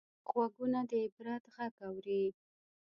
غوږونه د عبرت غږ اوري